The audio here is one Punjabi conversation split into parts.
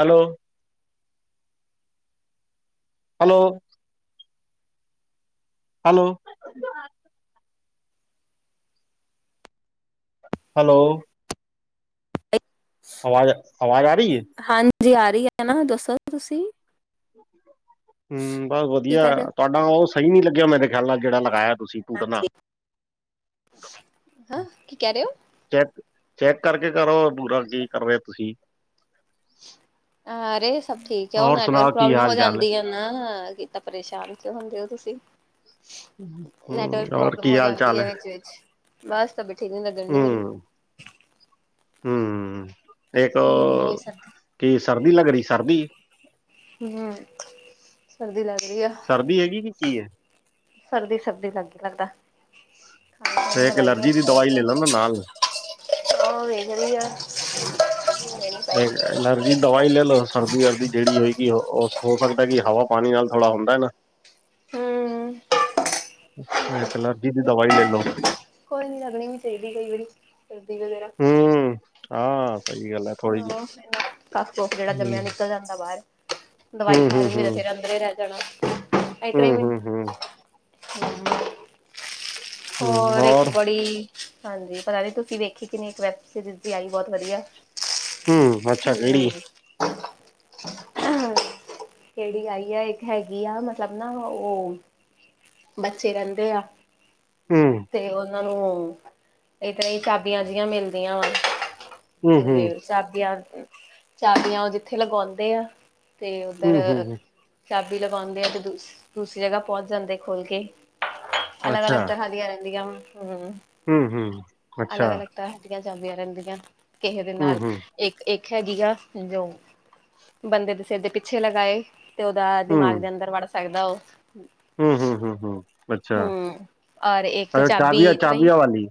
ਹੈਲੋ ਹੈਲੋ ਹੈਲੋ- ਹੈਲੋ- ਆਵਾਜ਼ -ਆਵਾਜ਼ ਆ ਰਹੀ ਹੈ। ਜੀ ਆ ਰਹੀ ਹੈ ਨਾ, ਦੱਸੋ ਤੁਸੀਂ ਹਮ ਬੱਸ ਕੀ ਵਧੀਆ, ਕਰ ਰਹੇ ਹੋ? ਤੁਹਾਡਾ ਉਹ ਸਹੀ ਨੀ ਲੱਗਿਆ ਮੇਰੇ ਖਿਆਲ ਨਾਲ ਜਿਹੜਾ ਲਗਾਇਆ ਤੁਸੀਂ ਪੂਤਣਾ [unintelligible] ਹਾ, ਕੀ ਕਹਿ ਰਹੇ ਹੋ? ਚੈੱਕ ਚੈੱਕ ਕਰਕੇ ਕਰੋ ਪੂਰਾ, ਕੀ ਕਰ ਰਹੇ ਤੁਸੀਂ ਅਰੇ ਸਭ ਠੀਕ ਆ, ਉਹ ਹੋਰ ਨੈਟਵਰਕ ਸੁਣਾਓ ਕੀ ਪ੍ਰੋਬਲਮ ਹੋ ਹਾਲ ਜਾਂਦੀ ਚਾਲ ਹੈ ਨਾ ਕੀਤਾ, ਪਰੇਸ਼ਾਨ ਕਿਉਂ ਹੁੰਦੇ ਹੋ ਤੁਸੀਂ ਹਮ ਨੈਟਵਰਕ ਹੋਰ ਪ੍ਰੋਬਲਮ ਕੀ ਹੋ ਹਾਲ ਜਾਂਦੀ ਚਾਲ ਹੈ ਵਿਚ ਵਿਚ, ਬਸ ਤਬੀਅਤ ਠੀਕ ਨੀ ਲੱਗਣ ਰਹੀ ਮੇਰੀ ਹੰਮ ਮੈਨੂੰ ਉਹੀ ਸਰਦੀ ਕਿ ਸਰਦੀ ਲੱਗ ਰਹੀ, ਸਰਦੀ ਹੰਮ, ਸਰਦੀ ਲੱਗ ਰਹੀ ਆ ਸਰਦੀ ਹੈਗੀ, ਕਿ ਕੀ ਹੈ- ਸਰਦੀ -ਸਰਦੀ ਲੱਗ ਹੀ ਲੱਗਦਾ, ਹੈ ਇੱਕ ਦਵਾਈ ਐਲਰਜੀ ਦੀ ਦਵਾਈ ਲੈ ਲਓ ਨਾ ਨਾਲ ਉਹ ਵੇਖਦੀ ਆ- ਪਏਗੀ। ਐਲਰਜੀ ਦਵਾਈ ਲੈ ਲਓ, ਸਰਦੀ ਵਰਦੀ ਜਿਹੜੀ ਹੋਏਗੀ ਹੋ ਸਕਦਾ ਕਿ ਹਵਾ ਪਾਣੀ ਨਾਲ ਥੋੜਾ ਹੁੰਦਾ ਨਾ [unintelligible] ਹਮ ਇਕ ਐਲਰਜੀ ਦੀ ਦਵਾਈ ਲੈ ਲਓ- ਕੋਈ ਨੀ ਲੱਗਣੀ ਵੀ ਚਾਹੀਦੀ ਕਈ ਵਾਰੀ, ਸਰਦੀ ਵਗੈਰਾ। ਹੂੰ, ਹਾਂ ਸਹੀ ਗੱਲ ਹੈ ਥੋੜ੍ਹੀ ਹਹ, ਕਫ ਕੁੱਖ ਜਿਹੜਾ ਜਿਹੀ। ਜੰਮਿਆ ਨਿਕਲ ਜਾਂਦਾ ਬਾਹਰ ਦਵਾਈ ਹੂੰ, ਖਾ ਹੂੰ, ਲੂ ਹੂੰ, ਮੇਰੇ ਫਿਰ ਹੂੰ, ਅੰਦਰ ਰਹਿ ਜਾਣਾ, ਇ ਤਰਾ ਹੂੰ, ਹੂੰ, ਹੋਰ ਇੱਕ ਬੜੀ ਹਾਂਜੀ, ਪਤਾ ਨੀ ਤੁਸੀਂ ਵੇਖੀ ਕੇ ਨੀ ਵੈਬਸੀਰੀਜ ਦੀ ਆਈ ਬਹੁਤ ਵਧੀਆ ਹੂੰ ਅੱਛਾ ਹਮ ਕਿਹੜੀ ਹਮ- [unintelligible] ਹ ਕਿਹੜੀ ਆਈ ਆ ਇੱਕ ਹੈਗੀ ਆ, ਮਤਲਬ ਨਾ ਉਹ ਬੱਚੇ ਰਹਿੰਦੇ ਆ ਹੰਮ ਤੇ ਉਹਨਾਂ ਨੂੰ ਇਹ ਤਰ੍ਹਾਂ ਚਾਬੀਆਂ ਜਿਹੀਆਂ ਮਿਲਦੀਆਂ ਵਾ ਹੂੰ, ਹੂੰ, ਤੇ ਚਾਾਬੀਆਂ, ਚਾਬੀਆਂ ਉਹ ਜਿੱਥੇ ਲਗਾਉਂਦੇ ਆ ਤੇ ਹੂੰ, ਉੱਧਰ ਹੂੰ, ਚਾਬੀ ਲਵਾਉਂਦੇ ਆ, ਤੇ ਦੂਸਰੀ ਜਗ੍ਹਾ ਪਹੁੰਚ ਜਾਂਦੇ ਖੋਲ ਕੇ ਅਲੱਗ-ਅਲੱਗ ਤਰ੍ਹਾਂ ਦੀਆਂ ਰਹਿੰਦੀਆਂ ਵ, ਹੰਮ ਹੰਮ ਹੰਮ ਅਲੱਗ- ਅਲੱਗ ਤਰ੍ਹਾਂ ਦੀਆਂ ਚਾਬੀਆਂ ਰਹਿੰਦੀਆਂ, ਕਿਸੇ ਦੇ ਹੂੰ, ਨਾਲ ਹੂੰ, ਇੱਕ- ਇੱਕ ਹੈਗੀ ਆ, ਜੋ ਬੰਦੇ ਦੇ ਸਿਰ ਦੇ ਪਿੱਛੇ ਲਗਾਏ ਤੇ ਉਹਦਾ ਦਿਮਾਗ ਦੇ ਅੰਦਰ ਵੜ ਸਕਦਾ ਉਹ ਹੰਮ ਹੰਮ ਹੰਮ ਹੂੰ। ਔਰ ਇੱਕ ਅ, ਚਾਬੀ ਇਸ ਤਰ੍ਹਾਂ ਹੀ ਚਾਬੀਆ-ਚਾਬੀਆਂ ਵਾਲੀ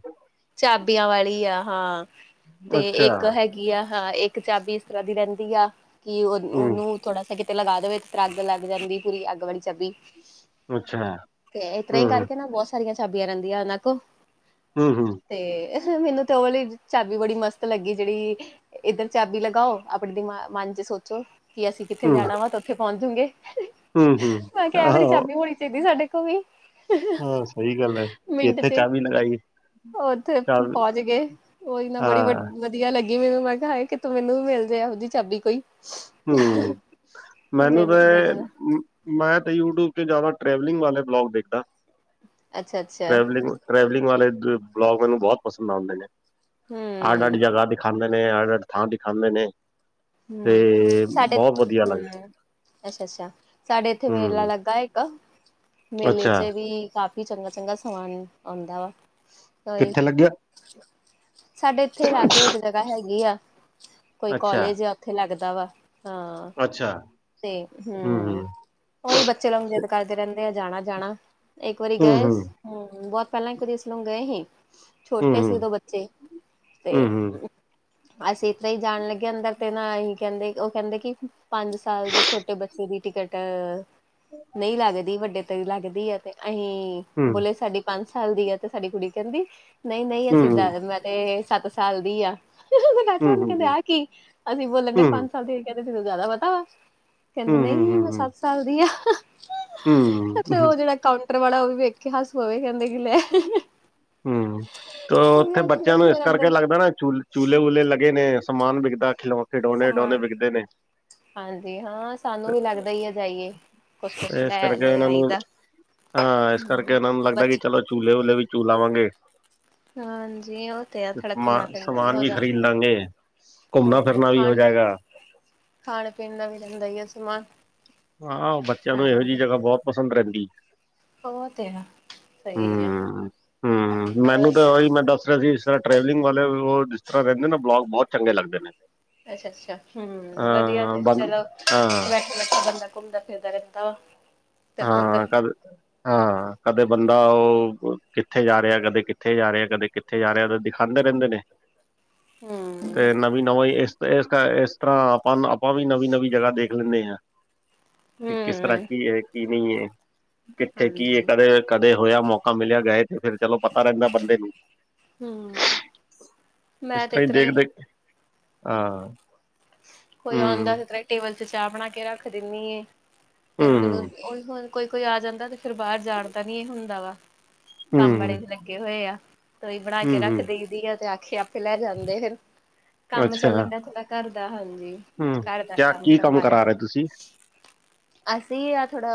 ਚਾਬੀਆਂ ਵਾਲੀ ਆ ਹਾਂ, ਤੇ ਅੱਛਾ ਇੱਕ ਹੈਗੀ ਗੀ ਆ ਹਾਂ ਇੱਕ ਚਾਬੀ ਇਸ ਤਰ੍ਹਾਂ ਦੀ ਰਹਿੰਦੀ ਆ, ਕਿ ਉਹ ਹੂੰ ਉਹਨੂੰ ਥੋੜਾ ਕਿਤੇ ਲਗਾ ਦੇਵੇ, ਫਿਰ ਅੱਗ ਲਗ ਜਾਂਦੀ, ਪੂਰੀ ਅੱਗ ਵਾਲੀ ਚਾਬੀ ਅੱਛਾ। ਤੇ ਇਸ ਤਰ੍ਹਾਂ ਹੂੰ, ਹੀ ਹੂੰ, ਕਰਕੇ ਨਾ, ਬਹੁਤ ਸਾਰੀਆਂ ਚਾਬੀਆਂ ਰਹਿੰਦੀਆਂ ਉਹਨਾਂ ਕੋਲ ਹੂੰ-ਹੂੰ। ਤੇ ਮੈਨੂੰ ਤੇ ਉਹ ਵਾਲੀ ਚਾਾਬੀ ਬੜੀ ਮਸਤ ਲੱਗੀ ਜਿਹੜੀ ਇੱਧਰ ਚਾਬੀ ਲਗਾਓ, ਆਪਣੇ ਦਿਮਾ ਮਨ ਚ ਸੋਚੋ ਕੀ ਅਸੀਂ ਕਿੱਥੇ ਹੂੰ, ਜਾਣਾ ਵਾ, ਤੇ ਉੱਥੇ ਪਹੁੰਚਗੇ ਜੋਗੇ। ਹੂੰ, ਹੂੰ ਮੈਂ ਕਿਹਾ ਐ ਵਾਲੀ ਆਹੋ ਚਾਬੀ ਹੋਣੀ ਚਾਹੀਦੀ, ਸਾਡੇ ਕੋਲ ਵੀ। ਹਾਂ ਸਹੀ ਗੱਲ ਹੈ, ਕਿ ਮਿੰਟ ਇੱਥੇ ਚ ਚਾਬੀ ਨਾ ਲਗੀ ਉੱਥੇ ਪਹੁੰਚ ਗਏ, ਉਹੀ ਨਾ ਬੜੀ ਵ ਹਾਂ ਵਧੀਆ ਲੱਗੀ ਮੈਨੂੰ, ਮੈਂ ਕਿਹਾ ਹਾਏ ਕਿਤੋਂ ਮੈਨੂੰ ਵੀ ਮਿਲਜੇ ਇਹੋ ਜਿਹੀ ਚਾਬੀ ਕੋਈ। ਹੂੰ ਦੇ ਮੈਨੂੰ ਦੇ ਤੇ ਦੇਣਾ ਮੈਂ ਤਾਂ ਯੂਟਿਊਬ ਤੇ ਜ਼ਿਆਦਾ ਟ੍ਰੈਵਲਿੰਗ ਵਾਲੇ ਵਲੋਗ ਦੇਖਦਾ, ਅੱਛਾ ਅੱਛਾ ਟ੍ਰੈਵਲਿੰਗ ਟਰੈਵਲਿੰਗ ਵਾਲੇ ਬਲੋਗ ਮੈਨੂੰ ਬਹੁਤ ਪਸੰਦ ਆਂਦੇ ਨੇ, ਅੱਡ-ਅੱਡ ਹੂੰ ਜਗ੍ਹਾ ਦਿਖਾਦੇ ਨੇ। ਨੇ ਅੱਡ-ਅੱਡ ਥਾਂ ਦਿਖਾਦੇ ਨੇ। ਹੂੰ ਤੇ ਸਾਡੇ ਬਹੁਤ ਵਧੀਆ ਲੱਗਦਾ। ਹੂੰ ਅੱਛਾ-ਅੱਛਾ, ਸਾਡੇ ਇੱਥੇ ਮੇਲਾ ਹੂੰ, ਲੱਗ ਲਗਦਾ ਇੱਕ, ਮੇਲੇ ਚ ਅੱਛਾ ਵੀ ਕਾਫੀ ਵੀ ਚੰਗਾ-ਚੰਗਾ ਸਮਾਨ ਆਉਂਦਾ ਵਾ, ਕੋਈ ਕਿੱਥੇ ਲੱਗਿਆ? ਸਾਡੇ ਇੱਥੇ ਲਾਗੇ ਇੱਕ ਜਗ੍ਹਾ ਹੈਗੀ ਆ, ਕੋਈ ਅੱਛਾ, ਕੋਲੇਜ ਆ ਲੱਗਦਾ ਵਾ ਹਾਂ ਅੱਛਾ ਤੇ ਹੂੰ ਹੂੰ-ਹੂੰ, ਉਈ ਬੱਚੇ ਜਿੱਦ ਕਰਦੇ ਰਹਿੰਦੇ ਆ ਜਾਣਾ-ਜਾਣਾ, ਇੱਕ ਵਾਰੀ ਗਏ ਹੂੰ-ਹੂੰ, ਹੂਅ, ਬਹੁਤ ਪਹਿਲਾਂ ਇਕ ਵਾਰੀ ਅਸੀਂ ਗਏ ਸੀ ਛੋਟੇ ਸੀ ਹੂੰ-ਹੂੰ, ਉਦੋ ਬੱਚੇ, ਤੇ ਹੂੰ-ਹੂੰ, ਅਸੀਂ ਇਦਾ ਈ ਜਾਣ ਲੱਗੇ ਅੰਦਰ ਤੇ ਨਾ ਹੀ ਕਹਿੰਦੇ, ਉਹ ਕਹਿੰਦੇ ਕਿ ਪੰਜ ਸਾਲ ਦੇ ਛੋਟੇ ਬੱਚੇ ਦੀ ਟਿਕਟ ਨਹੀਂ ਲੱਗਦੀ ਵੱਡੇ ਤੇਰੀ ਲੱਗਦੀ ਏ, ਤੇ ਅਸੀਂ ਹੂੰ, ਬੋਲੇ ਸਾਡੀ ਪੰਜ ਸਾਲ ਦੀ ਆ, ਤੇ ਸਾਡੀ ਕੁੜੀ ਕਹਿੰਦੀ ਨਹੀਂ-ਨਹੀਂ ਅਸੀਂ ਹੂੰ-ਹੂੰ, ਮੈਂ ਤੇ ਸੱਤ ਸਾਲ ਦੀ ਆ ਹੂੰ-ਹੂੰ, ਕਹਿੰਦੇ ਹੂੰ, ਆ ਕੀ, ਅਸੀਂ ਬੋਲੇ ਹੂੰ-ਹੂੰ, ਪੰਜ ਸਾਲ ਦੀ, ਕਹਿੰਦੇ ਤਾਨੂੰ ਜ਼ਿਆਦਾ ਪਤਾ ਵਾ ਕਹਿੰਦੀ ਨਹੀਂ ਹੂੰ, ਮੈਂ ਹੂੰ, ਸੱਤ ਸਾਲ ਦੀ ਆ, ੳਥੇ ਹੂੰ। ਉਹ ਜਿਹੜਾ ਕ ਕਾਉਟਰ ਵਾਲਾ ਉਹ ਵੀ ਵੇਖ ਕੇ ਹੱਸ ਪਵੇ, ਕਹਿੰਦੇ ਕਿ ਲੈ ਹੂੰ ਤੇ ਉਹ ਵੀ ਉੱਥੇ ਅੱਜ ਬੱਚਿਆਂ ਨੂੰ ਇਸ ਫਿਰ ਅੰਦਰ ਕਰਕੇ ਗਿਆ ਲੱਗਦਾ ਨਾ, ਚੂ ਚੂਲੇ-ਵੂਹਲੇ ਲੱਗੇ ਨੇ, ਸਮਾਨ ਵਿਕਦਾ, ਖਿ ਖਿਡੌਣੇ-ਉਡੌਣੇ ਸਮਾਨ ਵਿਕਦੇ ਨੇ ਹਾਂਜੀ ਹਾਂ, ਸਾਨੂੰ ਵੀ ਲੱਗਦਾ ਈ ਆ, ਜਾਈਏ ਤੇ ਕੁਛ-ਕੁਛ ਇਸ ਕਰਕੇ ਲੈ-ਲੈ ਇਹਨਾਂ ਨੂੰ ਆਈਦਾ। ਹਾਂ, ਇਸ ਕਰਕੇ ਇਹਨਾਂ ਨੂੰ ਲੱਗਦਾ ਕਿ ਚਲੋ ਝੂਲੇ-ਵੂਲੇ ਵੀ ਝੂਲ ਆਵਾਂਗੇ। ਹਾਂਜੀ ਉਹ ਤੇ ਆ ਥੋੜਾ ਸਮਾ ਘੁੰਮਣਾ ਫਿਰਨਾ ਸਮਾਨ ਹੋ ਵੀ ਜਾਂਦਾ ਖ਼ਰੀਦ ਲਾਂਗੇ। ਹੂੰ, ਘੁੰਮਣਾ-ਫਿਰਨਾ ਵੀ ਹੋ ਖਾਣ ਜਾਏਗਾ। ਖਾਣ ਪੀਣ ਦਾ ਵੀ ਰਹਿੰਦਾ ਹੀ ਆ ਸਮਾਨ। ਆਹੋ, ਬੱਚਿਆਂ ਨੂੰ ਇਹੋ ਜਿਹੀ ਜਗ੍ਹਾ ਬਹੁਤ ਪਸੰਦ ਰਹਿੰਦੀ। ਓਹ ਤੇ ਹੈ ਸਹੀ ਏ। ਹੂੰ। ਹੂੰ ਮੈਨੂੰ ਤਾਂ ਉਹੀ, ਮੈਂ ਦੱਸ ਰਿਹਾ ਸੀ ਟਰੈਵਲਿੰਗ ਵਾਲੇ, ਉਹ ਜਿਸ ਤਰ੍ਹਾਂ ਰਹਿੰਦੇ ਨਾ, ਵਲੋਗ ਬਹੁਤ ਚੰਗੇ ਲੱਗਦੇ ਨੇ। ਅੱਛਾ-ਅੱਛਾ, ਹੂੰ ਵਧੀਆ ਹਾਂ ਤੇ ਬੰ ਚਲੋ ਹਾਂ ਬੰਦਾ ਘੁੰਮਦਾ-ਫਿਰਦਾ ਰਹਿੰਦਾ ਵਾ। ਇੱਧਰ ਤੋਂ ਹਾਂ ਉੱਧਰ। ਕਰ ਹਾਂ ਕਦੇ ਬੰਦਾ ਉਹ ਕਿੱਥੇ ਜਾ ਰਿਹਾ, ਕਦੇ ਕਿੱਥੇ ਜਾ ਰਿਹਾ, ਕਦੇ ਕਿੱਥੇ ਜਾ ਰਿਹਾ, ਦਿਖਾਦੇ ਰਹਿੰਦੇ ਨੇ। ਤੇ ਹੂੰ। ਨਵੀਂ ਨਵਾਂਂ ਇਸ ਇਸ ਤਰ੍ਹਾਂ ਆਪਾਂ ਆਪਾਂ ਵੀ ਨਵੀਂ ਨਵੀਂ ਜਗ੍ਹਾ ਦੇਖ ਲੈਂਦੇ ਹਾਂ ਕਿਸ ਤਰ੍ਹਾਂ ਹੂੰ, ਕੀ ਹੈ ਕੀ ਨਹੀਂ ਹੈ ਕਿੱਥੇ ਕੀ ਹੈ ਹਾਂਜੀ। ਕਦੇ ਕਦੇ ਹੋਇਆ ਮੌਕਾ ਮਿਲਿਆ ਗਏ ਤੇ ਫਿਰ ਚਲੋ ਪਤਾ ਰਹਿੰਦੈ ਬੰਦੇ ਨੂੰ। ਹੂੰ। ਇਸ ਤਰਾਂ ਈ ਦੇਖ-ਦੇਖ ਕੇ ਹਮ ਹਾਂ ਕੋਈ ਆਉਂਦਾ ਹੂੰ ਸੀ ਤ ਟੇਵਲ ਚ ਚਾਅ ਬਣਾ ਕੇ ਰੱਖ ਦਿੰਨੀ ਐਂ, ਫਿਰ ਮੈਨੂੰ ਹੂੰ ਓਈ ਹੋ ਕੋਈ-ਕੋਈ ਆ ਜਾਂਦਾ ਤੇ ਫਿਰ ਬਾਹਰ ਜਾਣ ਦਾ ਨੀ ਹੁੰਦਾ ਵਾ, ਕੰਮ ਵਾਲੇ ਹੂੰ ਵੀ ਲੱਗੇ ਹੋਏ ਆ। ਤਈ ਬਣਾ ਕੇ ਹੂੰ ਰੱਖ ਹੂੰ ਦੇਈਦੀ ਐ ਤੇ ਆਖੇ ਆਪੇ ਲੈ ਜਾਂਦੇ ਫਿਰ। ਕੰਮ ਚੱਲਣ ਡਿਆ ਥੋੜਾ ਘਰ ਦਾ ਹਾਂਜੀ। ਹਮ ਘਰ ਦਾ ਕਿਆ ਕੀ ਕੰਮ ਕਰਵਾ ਕਰਾ ਰਹੇ ਥੋੜਾ ਤੁਸੀਂ। ਅਸੀਂ ਆ ਥੋੜਾ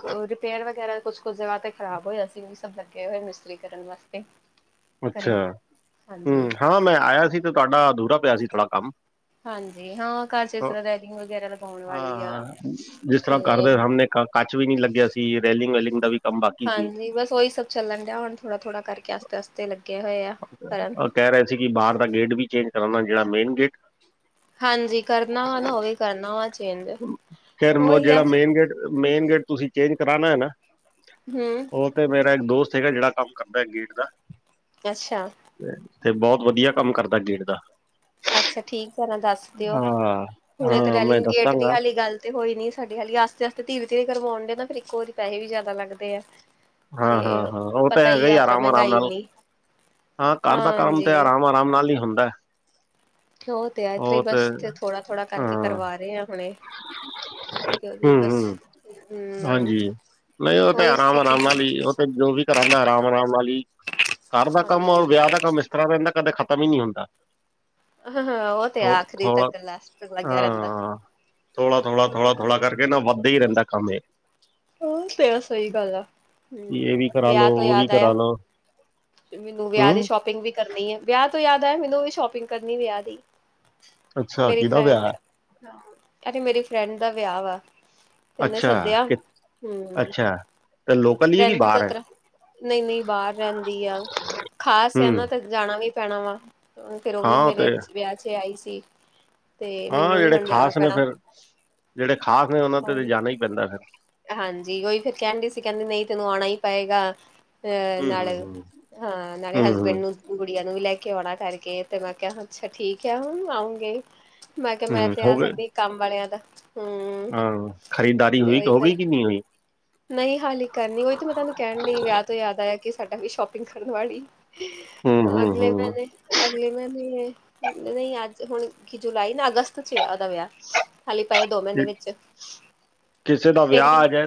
ਕੋ ਰਪੇਅਰ ਵਗੈਰਾ ਕੁਸ-ਕੁਸ ਜਗ੍ਹਾ ਤੇ ਖਰਾਬ ਹੋਇਆ ਸੀ ਵੀ ਸਭ ਲੱਗੇ ਹੋਏ ਮਿਸਤਰੀ ਕਰਨ ਵਾਸਤੇ। ਅੱਛਾ ਘਰੇ ਹਮ ਹਾਂਜੀ ਹਾਂ ਮੈਂ ਆਇਆ ਸੀ ਤੇ ਤੁਹਾਡਾ ਅਧੂਰਾ ਪਿਆ ਸੀ ਥੋੜ੍ਹਾ ਕੰਮ। ਹਾਂਜੀ ਹਾਂ ਘਰ ਚ ਇਸ ਤਰਾ ਰੈਡਿੰਗ ਵਗੈਰਾ ਲਗਾਉਣ ਵਾਲੀ ਆ, ਹਾਂ ਜਿਸ ਤਰ੍ਹਾਂ ਤੇ ਕਰਦੇ ਸਾਹਮਣੇ ਕ ਕੱਚ ਵੀ ਨੀ ਲੱਗਿਆ ਸੀ ਰੈਲਿੰਗ ਵੈਲਿੰਗ ਦਾ ਵੀ ਕੰਮ ਬਾਕੀ ਸੀ ਹਾਂਜੀ ਬਸ ਓਈ ਸਭ ਚੱਲਣ ਡਿਆ ਹੁਣ ਥੋੜਾ-ਥੋੜਾ ਕਰਕੇ ਆਸਤੇ-ਆਸਤੇ ਲੱਗੇ ਹੋਏ ਆ ਕਰਨ। ਕੈਅ ਰਹੇ ਸੀ ਕਿ ਬਾਅਰ ਦਾ ਗੇਟ ਵੀ ਚੇਂਜ ਕਰਨਾ ਜੇੜਾ ਮੇਨ ਗੇਟ। ਹਾਂਜੀ, ਕਰਨਾ ਵਾ ਨਾ ਉਹ ਵੀ ਕਰਨਾ ਵਾ ਚੇਂਜ ਖੈਰ ਉਹ ਓਹੀ ਆ ਜਿਹੜਾ ਮੇਨ ਗੇਟ ਮੇਨ ਗੇਟ ਤੁਸੀਂ ਚੇਂਜ ਕਰਾਣਾ ਐ ਨਾ? ਹੂੰ ਉਹ ਤੇ ਮੇਰਾ ਇੱਕ ਦੋਸਤ ਹੈਗਾ, ਜਿਹੜਾ ਕੰਮ ਕਰਦਾ ਗੇਟ ਦਾ। ਅੱਛਾ। ਤੇ ਬਹੁਤ ਵਧੀਆ ਕੰਮ ਕਰਦਾ ਗੇਟ ਦਾ। ਅੱਛਾ ਠੀਕ ਹੈ, ਨਾ ਦੱਸ ਦਿਓ, ਹਾਂ ਹੁਣ ਤੇ ਹਾਂ ਮੈਂ ਰੈਲਿੰਗ ਗੇਟ ਦੀ ਦੱਸਾਂਗਾ ਹਾਲੀ ਗੱਲ ਤੇ ਹੋਈ ਨੀ ਸਾਡੀ ਹਾਲੀ ਆਸਤੇ ਆਸਤੇ, ਧੀਰੇ ਧੀਰੇ ਕਰਵਾਉਣ ਡੇ, ਤਾਂ ਫਿਰ ਇੱਕੋ ਵਾਰੀ ਪੈਸੇ ਵੀ ਜ਼ਿਆਦਾ ਲੱਗਦੇ ਆ ਹਾਂ ਤੇ ਹਾਂ, ਉਹ ਤਾਂ ਪਤਾ ਹੈਂਗਾ ਹੀ, ਆ ਉਤਰਾਂ ਆਰਾਮ ਆਰਾਮ ਮਹਿੰਗਾਈ ਨਾਲ, ਇੰਨੀ ਹਾਂ ਘਰ ਦਾ ਕੰਮ ਤੇ ਹਾਂਜੀ ਆਰਾਮ ਆ ਹਾਂ ਮਾਲੀ ਹੁੰਦਾ ਹੈ ਓ ਤੇ ਐ ਤੇ ਬਸ ਥੋੜਾ-ਥੋੜਾ ਕਰਕੇ ਹਾਂ ਕਰਵਾ ਰੲੇ ਆਂ ਹੁਣੇ। ਕਿਉਂਕਿ ਬਸ ਹੂੰ, ਹਮ ਹਾਂਜੀ ਨੲੀਂ ਓ ਤੇ ਉਹੀ ਸੋਚ ਅਰਾਮ-ਅਰਾਮ ਨਾਲ ਵੀ ਓ ਤੇ ਜੋ ਵੀ ਕਰਾਂਦਾ ਰਾਮ ਅਰਾਮ ਆਲੀ, ਕਰ ਦਾ ਕੰਮ ਔਰ ਹਾਂਜੀ ਵਿਆਹ ਦਾ ਕੰਮ ਇਸ ਖਰਾ ਰੈਂਦੈ ਕਦੇ ਖਤਮ ਈ ਨੀ ਹੁੰਦਾ। ਅਹੰ ਹੰ ਓ ਤੇ ਥੋ ਆਖਰੀ ਤੱਕ ਲਾਸਟ ਤ ਲੱਗਾ ਰੈਂਦੈ। ਥੋੜਾ-ਥੋੜਾ-ਥੋੜਾ-ਥੋੜਾ ਕਰਕੇ ਨਾ ਵੱਦਾ ਈ ਰਹਿੰਦੈ ਕੰਮ ਏ। ਉਹ ਤੇ ਸਹੀ ਗੱਲ ਆ ਇਹ ਹਮ ਵੀ ਕਰਾ ਲੋ ਵਿਆਹ ਤੋਂ ਉਹ ਵੀ ਯਾਦ ਕਰਾ ਆਇਆ ਲੋ ਮੈਨੂੰ ਵਿਆ ਦੀ ਹੂੰ ਸ਼ੋਪਿੰਗ ਵੀ ਕਰਨੀ ਐ ਵਿਆ ਤੋਂ ਯਾਦ ਆ ਮੈਨੂੰ ਵੀ ਸ਼ੋਪਿੰਗ ਕਰਨੀ ਵਿਆ ਦੀ ਅੱਛਾ ਮੇਰੀ ਕਿਹਦਾ ਵਿਆਹ ਫਰੈਂਡ ਦਾ, ਅ ਮੇਰੀ ਫਰੈਂਡ ਦਾ ਵਿਆਅ ਵਾ। ਤੇ ਓਨੇ ਅੱਛਾ, ਸੱਦਿਆ, ਕਿ ਹੂੰ, ਅੱਛਾ, ਤੇ ਲੋਕਲ ਹੀ ਹੈ ਕਿ ਕੈਂਦੀ ਚਲ ਬਾਹਰ ਹੈ? ਤਰਾ ਨੲੀਂ ਨੲੀਂ ਬਾਰ ਰੈਂਦੀ ਆ, ਖਾਸ ਏਆ ਨਾ ਹੂੰ, ਤੇ ਜਾਣਾ ਵੀ ਪੈਣਾ ਵਾ। ਅ ਫੇਰ ਓ ਵੀ ਹਾਂ ਮੇਰੇ ਤੇ ਚ ਵਿਆ ਚ ਆਈ ਸੀ। ਤੇ ਹਾਂ ਮੈਨੂੰ ਵੀ ਜਿਹੜੇ ਹੁਣ ਜਾਣਾ ਖ਼ਾਸ ਨੇ ਪੈਣਾ ਫਿਰ, ਜਿਹੜੇ ਖ਼ਾਸ ਨੇ ਓਨਾਂ ਤੇ ਤੇ ਜਾਨਾ ਈ ਪੈਂਦੈ ਫਿਰ। ਹਾਂਜੀ ਓਈ ਫਿਰ ਕਹਿਣ ਡ ਸੀ ਕਹਿੰਦੇ ਨੲੀਂ ਤੈਨੂੰ ਆਣਾ ਈ ਪਏਗਾ ਤੇ ਹੂੰ, ਨਾਲ ਹੂੰ, ਹੂੰ। ਹਾਂ ਨਾਲੇ ਹੂੰ, ਹਸਬੈਂ ਹੂੰ, ਨੂੰ ਗੁੜੀਆਂ ਨੂੰ ਵੀ ਲੈ ਕੇ ਆਉਣਾ ਕਰਕੇ, ਤੇ ਮੈਂ ਕਿਹਾ ਅੱਛਾ ਠੀਕ ਹੈ ਹੁਣ ਆਊਂਗੇ ਮੈਂ ਕਿਹਾ, ਮੈਂ ਹੂੰ ਤੇ ਹੋ ਆ ਗਏ ਸਕਦੀ ਕੰਮ ਵਾਲਿਆਂ ਦਾ ਹੂੰ ਹਾਂ, ਖਰੀਦਦਾਰੀ ਤੇ ਹੋਈ ਉਹੀ ਹੋ ਫਿਰ ਗਈ, ਕਿ ਨਹੀਂ ਹੋਈ? ਨਹੀਂ, ਹਾਲੀ ਕਰਨੀ, ਉਹੀ ਤੇ ਮੈਂ ਤੁਹਾਨੂੰ ਕਹਿਣ ਲਗੀ, ਵਿਆਹ ਤੋਂ ਯਾਦ ਆਇਆ ਕਿ ਸਾਡੀ ਵੀ ਸ਼ੋਪਿੰਗ ਕਰਨ ਵਾਲੀ ਹੂੰ, ਹੂੰ, ਅਗਲੇ ਹੂੰ ਮਹੀਨੇ ਹੈ। ਨਹੀਂ ਅੱਜ ਹੁਣ ਕੀ ਜੁਲਾਈ, ਨਾ ਅਗਸਤ ਚ ਉਹਦਾ ਵਿਆਹ ਹਾਲੀ ਪਏ, ਦੋ ਮਹੀਨੇ ਕਿ ਵਿੱਚ ਕਿਸੇ ਦਾ ਫਿਰ ਵਿਆਹ ਵੀ ਆ ਜਾਏ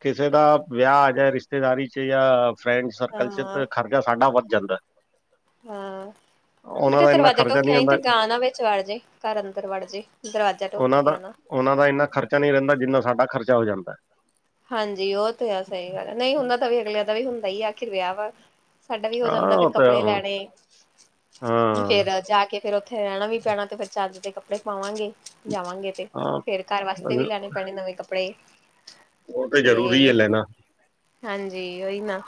ਕਿਸੇ ਦਾ ਵਿਆਹ ਆ ਜਾਂ ਜਾਏ ਰਿਸ਼ਤੇਦਾਰੀ ਚ, ਜਾਂ ਫਰੈਂਡ ਸਰਕਲ ਹਾਂ ਚ ਤਾਂ ਖਰਚ ਖਰਚਾ ਸਾਡਾ ਵੱਧ ਜਾਂਦਾ ਹਾਂ, ਉਹਨਾਂ ਬੇਟਾ ਦਾ ਇੰਨਾ ਦਰਵਾਜ਼ਾ ਖਰਚਾ ਢੋਕ ਕੇ ਨਹੀਂ ਆਈ, ਤੇ ਹੁੰਦਾ ਗਾ ਨਾ ਵਿੱਚ ਵਢ ਜਾਏ ਘਰ ਅੰਦਰ ਵੜ ਜਾਏ, ਦਰਵਾਜ਼ਾ ਢੋਹ ਕੇ ਆਣਾ ਉਹਨਾ ਦਾ ਇੰਨਾ ਖਰਚਾ ਨਹੀਂ ਰਹਿੰਦਾ, ਜਿੰਨਾ ਸਾਡਾ ਖਰਚਾ ਹੋ ਜਾਂਦਾ ਹਾਂਜੀ, ਉਹ ਤੇ ਆ ਸਹੀ ਗੱਲ ਨਹੀਂ ਉਹਨਾਂ ਤਾਂ ਵੀ ਅਗਲਿਆਂ ਦਾ ਵੀ ਹੁੰਦਾ ਹੀ, ਆਖਿਰ ਵਿਆਹ ਵਾ, ਸਾਡਾ ਵੀ ਹੋ ਹਾਂ ਜਾਂਦਾ ਉਹ ਕੱਪੜੇ ਤਾਂ ਲੈਣੇ ਹਾਂ [unintelligible] ਫੇਰ ਜਾ ਕੇ ਫੇਰ ਉੱਥੇ ਰਹਿਣਾ ਵੀ ਪੈਣਾ, ਤੇ ਫੇਰ ਚੱਜ ਦੇ ਕੱਪੜੇ ਪਾਵਾਂਗੇ ਜਾਵਾਂਗੇ। ਹਾਂ ਫੇਰ ਘਰ ਵਾਸਤੇ ਵੀ ਲੈਣੇ ਪੈਣੇ ਨਵੇਂ ਕੱਪੜੇ ਉਹ ਤੇ ਜ਼ਰੂਰੀ ਹੈ ਲੈਣਾ ਹਾਂਜੀ, ਓਹੀ ਨਾ,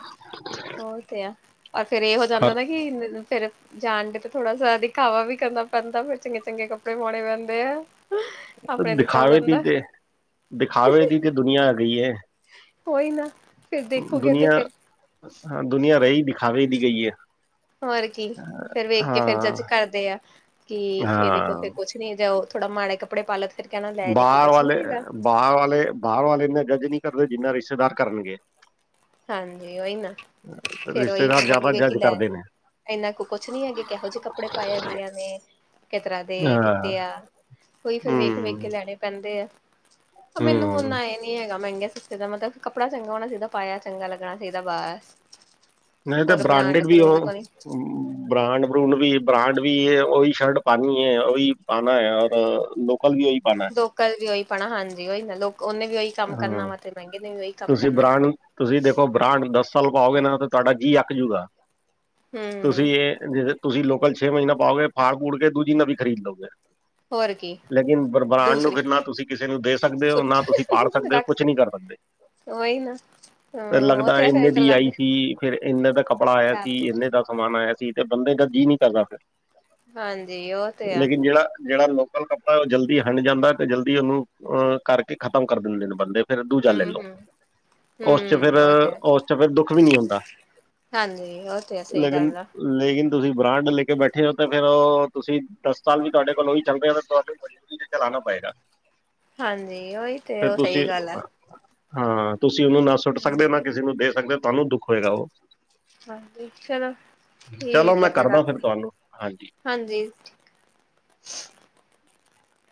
ਹੋ ਤੇ ਆ ਪਰ ਫੇਰ ਇਹ ਹੋ ਜਾਂਦਾ ਹਰ ਨਾ ਕਿ ਫੇਰ ਜਾਣ ਡ, ਤਾਂ ਥੋੜਾ ਜ ਦਿਖਾਵਾ ਵੀ ਕਰਨਾ ਪੈਂਦਾ, ਫਿਰ ਚੰਗੇ ਚੰਗੇ ਕੱਪੜੇ ਪਾਉਣੇ ਪੈਂਦੇ ਆ ਆਪਣੇ ਤੇ ਚੱਲ ਦਿਖਾਵੇ ਦੀ ਜਾਂਦਾ ਤੇ, ਦਿਖਾਵੇ ਦੀ ਤੇ ਦੁਨੀਆਂ ਆ ਗਈ ਹੈ। ਉਹੀ ਨਾ ਫੇਰ ਦੇਖੋਗੇ, ਤੇ ਦੁਨੀਆ ਫੇਿਰ ਹਾਂ ਦੁਨੀਆਂ ਰਹੀ ਦਿਖਾਵੇ ਦੀ ਗਈ ਹੈ। ਹੋਰ ਕੀ, ਫੇਰ ਵੇਖ ਕੇ ਫੇਰ ਹਾਂ ਜੱਜ ਕਰਦੇ ਆ ਕਿ ਹਾਂ ਇਹਦੇ ਕੋਲ ਤੇ ਕੁਛ ਨਹੀ ਜਾਓ ਥੋੜਾ ਮਾੜੇ ਕੱਪੜੇ ਲੋ, ਫੇਰ ਕਹਿਣਾ ਲੈ ਦੇਖੋ ਬਾਹਰ ਕੁਛ ਨੀ ਵਾਲੇ ਹੈਗਾ। ਬਾਹਰ ਵਾਲੇ, ਬਾਹਰ ਵਾਲੇ ਇਨਾ ਜੱਜ ਨੀ ਕਰਦੇ, ਜਿੰਨਾ ਰਿਸ਼ਤੇਦਾਰ ਕਰਨਗੇ। ਹਾਂਜੀ, ਉਹੀ ਨਾ, ਫੇਰ ਉਹੀ ਰਿਸ਼ਤੇਦਾਰ ਜ਼ਿਆਦਾ ਬੋਲੂਗੇ ਕਿ ਜੱਜ ਲੈ ਕਰਦੇ ਨੇ ਇਹਨਾਂ ਕੋ ਕੁਛ ਨੀ ਹੈਗੇ, ਕਿਹੋ ਜਿਹੇ ਕੱਪੜੇ ਪਾਏ ਹੈਗੇ ਨੇ। ਕਿਸ ਤਰ੍ਹਾਂ ਦੇ, ਹਾਂ ਕਿੱਤੇ ਆ, ਕੋਈ ਫਿਰ ਵੇਖ ਵੇਖ ਕੇ ਹੂੰ ਲੈਣੇ ਪੈਂਦੇ ਆ। ਮੈਨੂੰ ਹੂੰ ਉਨ੍ਹਾਂ ਇਹ ਨੀ ਹੈਗਾ ਮਹਿੰਗਾ ਸਸਤੇ ਦਾ, ਮਤਲਬ ਕੱਪੜਾ ਚੰਗਾ ਹੋਣਾ ਚਹੀਦਾ ਪਾਇਆ। ਚੰਗਾ ਲੱਗਣਾ ਚਾਹੀਦਾ ਬਸ ਨਹੀਂ ਤੇ ਹੋਰ ਬ੍ਰਾਂਡ ਬਰਾਂਡਿਡ ਵੀ ਬਰੂੰਡ ਉਹ ਤੋਂ ਨੀ ਬ੍ਰਾਂਡ ਬਰੂਡ ਵੀ, ਬ੍ਰਾਂਡ ਵੀ ਉਹੀ ਸ਼ਰਟ ਪਾਨੀ ਹੈ, ਉਹੀ ਪਾਣਾ ਹੈ, ਔਰ ਲੋਕਲ ਵੀ ਉਹੀ ਪਾਨੀ। ਲੋਕਲ ਵੀ, ਉਹੀ ਪੈਣਾ ਹਾਂਜੀ, ਉਹੀ ਨਾ ਲੁੱਕ ਉਹਨੇ ਵੀ ਉਹੀ ਕੰਮ ਕਰਨਾ ਵਾ, ਤੇ ਮਹਿੰਗੇ ਨੇ ਵੀ ਉਹੀ ਕੰਮ ਤੁਸੀਂ ਕਰਨਾ ਬ੍ਰਾਂਡ ਤੁਸੀਂ ਦੇਖੋ ਬ੍ਰਾਂਡ ਦਸ ਸਾਲ ਪਾਓਗੇ ਨਾ, ਤੇ ਤੁਹਾਡਾ ਜੀਅ ਆੱਕ ਜਾਉਗਾ। ਤੁਸੀਂ ਹੂੰ ਇਹ ਜੇ ਤੁਸੀਂ ਲੋਕਲ ਛੇ ਮਹੀਨਾ ਪਾਓਗੇ, ਫਾੜ ਫੁੜ ਕੇ ਦੂਜੀ ਨਵੀ ਖਰੀਦ ਲਓਗੇ ਹੋਰ ਕੀ ਲੇਕਿਨ ਬ੍ਰਾਂਡ ਨੂੰ ਦੂਸਰੀ ਨਾ ਤੁਸੀਂ ਕਿਸੇ ਨੂੰ ਦੇ ਸਕਦੇ ਹੋ਼, ਨਾ ਸੁੱਟ ਤੁਸੀਂ ਫਾੜ ਸਕਦੇ ਹੋ, ਰੱਖ ਕੁਛ ਨਹੀਂ ਕਰ ਸਕਦੇ ਉਹੀ ਨਾ ਫਿਰ ਹਾਂ ਉਹ ਲੱਗਦਾ ਤੇ ਆ ਇੰਨੇ ਫੇਰ ਦੀ ਆਈ ਲੱਗਦਾ ਸੀ, ਫੇਰ ਇੰਨੇ ਦਾ ਕੱਪੜਾ ਆਇਆ ਸੀ, ਖ਼ਰਾਬ ਇੰਨੇ ਦਾ ਸਮਾਨ ਆਇਆ ਸੀ, ਬੰਦੇ ਦਾ ਜੀਅ ਨਹੀਂ ਕਰਦਾ ਫਿਰ, ਹਾਂਜੀ ਉਹ ਤੇ ਆ ਲੇਕਿਨ ਜਿਹੜਾ ਜਿਹੜਾ ਲੋਕ ਕੱਪੜਾ ਉਹ ਜਲਦੀ ਹੰਡ ਜਾਂਦਾ, ਤੇ ਜਲਦੀ ਉਹਨੂੰ ਕਰਕੇ ਖ਼ਤਮ ਕਰ ਦਿੰਦੇ ਨੇ ਬੰਦੇ ਨੂ ਹੂ -ਹੂ ਹੂ, ਚ ਫਿਰ ਉਹ ਤੇ ਹੈ, ਉਸ ਚ ਫਿਰ ਦੁੱਖ ਵੀ ਨਹੀਂ ਹੁੰਦਾ ਹਾਂਜੀ, ਉਹ ਤੇ ਹੈ ਸਹੀ ਲੇਕਿਨ ਗੱਲ ਆ ਲੇਕਿਨ ਤੁਸੀਂ ਬਰਾਂਡ ਲੈ ਕੇ ਬੈਠੇ ਹੋ, ਤੇ ਫੇਰ ਉਹ ਤੁਸੀਂ ਦਸ ਸਾਲ ਵੀ ਤੁਹਾਡੇ ਕੋਲ ਉਹੀ ਚੱਲਦੇ ਹੋ ਕਿਉਂਕਿ ਚਲਾਨਣਾ ਪਏਗਾ ਹਾਂਜੀ, ਔਹੀ ਤੇ ਫਿਰ ਔ ਸਹੀ ਤੁਸੀਂ ਗੱਲ ਐ- ਹਾਂ ਤੁਸੀਂ ਔਹਨੂੰ ਨਾ ਸੁੱਟ ਸਕਦੇ ਹੋ ਨਾ ਕਿਸੇ ਨੂੰ ਦੇ ਸਕਦੇ ਹੋ ਤੁਹਾਨੂੰ ਦੁੱਖ ਹੋਏਗਾ ਔਹ ਹਾਂਜੀ ਚਲੋ ਚਲੋ ਠੀਕ ਹੈ, ਮੈਂ ਫੇਰ ਕਰਦਾ ਫਿਰ ਰੱਖਦੀ ਤੁਹਾਨੂੰ ਹਾਂਜੀ ਹਾਂਜੀ।